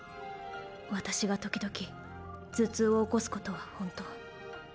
私が時々頭痛を起こすことは本当。